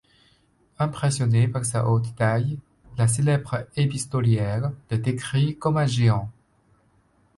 Impressionnée par sa haute taille, la célèbre épistolière le décrit comme un géant.